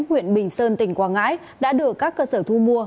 huyện bình sơn tỉnh quảng ngãi đã được các cơ sở thu mua